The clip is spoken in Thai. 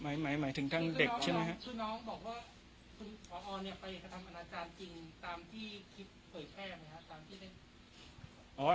หมายหมายถึงทางเด็กใช่ไหมครับคือน้องบอกว่าคุณพอเนี่ยไปกระทำอนาจารย์จริงตามที่คลิปเผยแพร่ไหมครับตามที่เล่น